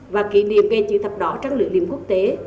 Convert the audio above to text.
và kỷ niệm nghề chữ thập đỏ trang lượng liên quốc tế